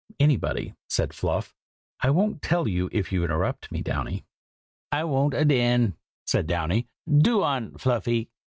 anybody!" said Fluff. "I wont tell it if you interrupt me, Downy." "I wont adain!" said Downy. "Do on, Fluffy!"